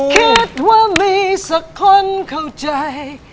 คิดว่ามีสักคนเข้าใจ